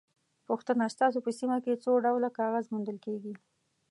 پوښتنه: ستاسو په سیمه کې څو ډوله کاغذ موندل کېږي؟